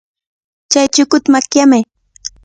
Chay chukuta makyamay.